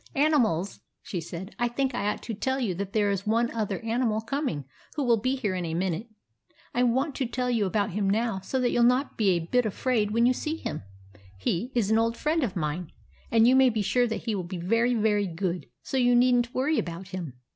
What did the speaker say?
" Animals," she said, " I think I ought to tell you that there is one other animal com ing who will be here in a minute. I want to tell you about him now, so that you '11 not be a bit afraid when you see him. He THE ANIMAL PARTY 125 is an old friend of mine, and you may be sure that he will be very, very good, so you need n't worry about him."